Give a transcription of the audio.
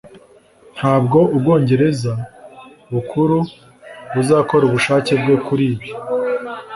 ntabwo ubwongereza bukuru buzakora ubushake bwe kuri ibi,